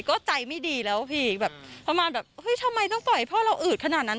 ก็ใจไม่ดีแล้วพี่แบบประมาณแบบเฮ้ยทำไมต้องปล่อยพ่อเราอืดขนาดนั้น